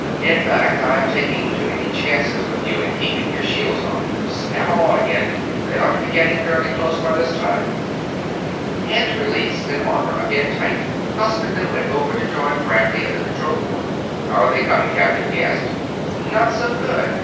In fact, I'm taking too many chances with you in keeping your shields off. Snap 'em on again they ought to be getting fairly close by this time." Hands released and armor again tight, Costigan went over to join Bradley at the control board. "How are they coming, Captain?" he asked. "Not so good.